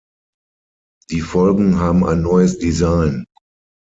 Die Folgen haben ein neues Design.